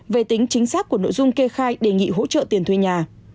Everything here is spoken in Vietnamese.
về tính chính xác của nội dung kê khai đề nghị hỗ trợ tiền thuê nhà